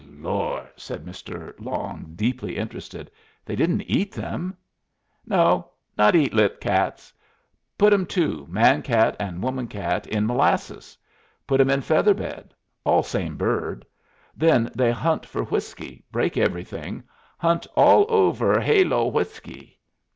"Lor'!" said Mr. Long, deeply interested, "they didn't eat them?" "No. Not eat litt' cats. Put 'em two man cat and woman cat in molasses; put 'em in feather bed; all same bird. Then they hunt for whiskey, break everything, hunt all over, ha lo whiskey!"